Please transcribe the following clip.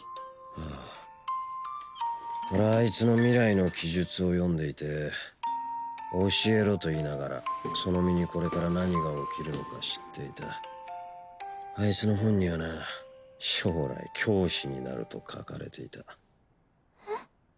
ああ俺はあいつの未来の記述を読んでいて教えろと言いながらその身にこれから何が起きるのか知っていたあいつの本にはな将来教師になると書かれていたえっ？